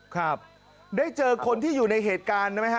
ครับได้เจอคนที่อยู่ในเหตุการณ์นะฮะ